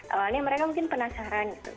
awalnya mereka mungkin penasaran gitu